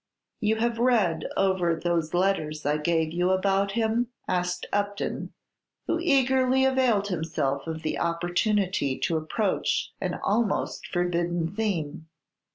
_" "You have read over those letters I gave you about him?" asked Upton, who eagerly availed himself of the opportunity to approach an almost forbidden theme.